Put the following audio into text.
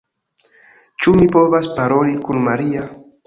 Ĉu mi povas paroli kun Maria?